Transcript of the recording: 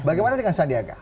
bagaimana dengan sandiaga